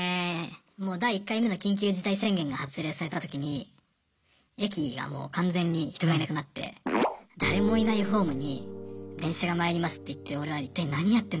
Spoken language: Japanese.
もう第１回目の緊急事態宣言が発令された時に駅がもう完全に人がいなくなって誰もいないホームに電車が参りますって言って俺は一体何やってんだろうと。